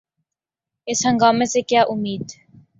اس ہنگامے سے کیا امید؟